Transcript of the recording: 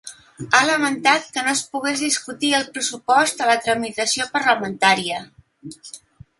Ha lamentat que no es pogués discutir el pressupost en la tramitació parlamentària.